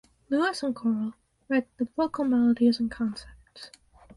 Lewis and Corral write the vocal melodies and concepts.